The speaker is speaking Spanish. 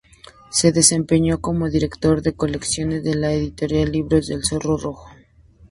Se desempeñó como director de colecciones en la editorial Libros del Zorro Rojo.